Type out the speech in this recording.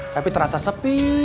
tapi terasa sepi